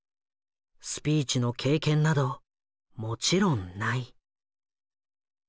スピーチの経験などもちろんない。